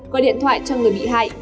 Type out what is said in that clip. gọi điện thoại cho người bị hại